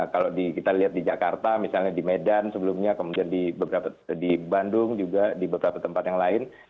kalau kita lihat di jakarta misalnya di medan sebelumnya kemudian di bandung juga di beberapa tempat yang lain